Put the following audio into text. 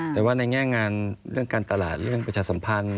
แต่ว่าในแง่งานเรื่องการตลาดเรื่องประชาสัมพันธ์